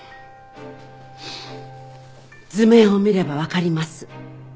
図面を見ればわかります。